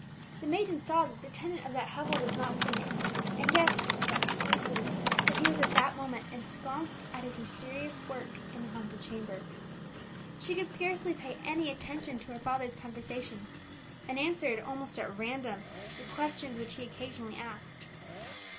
The maiden saw that the tenant of that hovel was not within it, and guessed but too easily that he was at that moment ensconced at his mysterious work in the haunted chamber. She could scarcely pay any attention to her father's conversation, and answered almost at random the questions which he occasionally asked.